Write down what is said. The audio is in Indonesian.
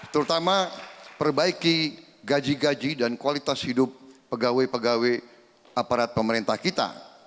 terutama perbaiki gaji gaji dan kualitas hidup pegawai pegawai aparat pemerintah kita